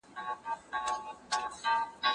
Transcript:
لوښي وچ کړه؟